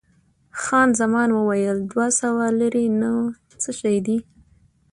خان زمان وویل، دوه سوه لیرې نو څه شی دي؟